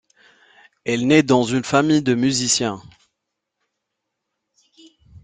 Elle naît dans une famille de musiciens.